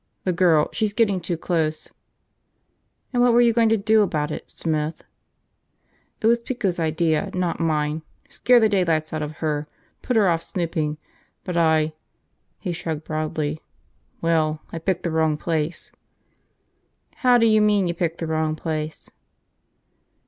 "The girl. She's getting too close." "And what were you going to do about it, Smith?" "It was Pico's idea, not mine. Scare the daylights out of her, put her off snooping. But I ..." He shrugged broadly. "Well, I picked the wrong place." "How do you mean you picked the wrong place?"